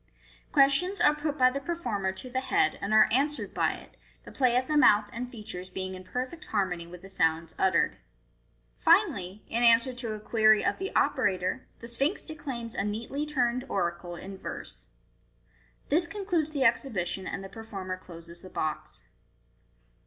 Questions are put by the performer to the head, and are answered by it, the play of the mouth and features being in perfect harmony with the sounds uttered. Finally, in answer to a query of the operator, the Sphinx declaims a neatly turned oracle in verse. This concludes the exhibition, and the performer closes the box.